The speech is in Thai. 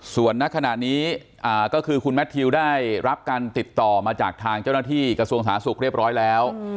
ส่วนณขณะนี้ก็คือคุณแมททิวได้รับการติดต่อมาจากทางเจ้าหน้าที่กระทรวงสาธารณสุขเรียบร้อยแล้ว